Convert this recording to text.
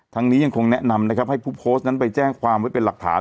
นี้ยังคงแนะนำนะครับให้ผู้โพสต์นั้นไปแจ้งความไว้เป็นหลักฐาน